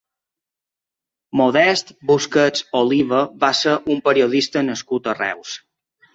Modest Busquets Oliva va ser un periodista nascut a Reus.